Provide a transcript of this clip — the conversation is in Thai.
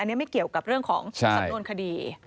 อันนี้ไม่เกี่ยวกับเรื่องของสำนวนคดี